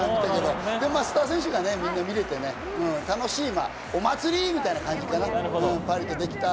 でも、スター選手が見られて楽しい、お祭りみたいな感じだった。